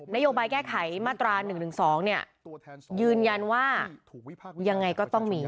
โยบายแก้ไขมาตรา๑๑๒เนี่ยยืนยันว่ายังไงก็ต้องมี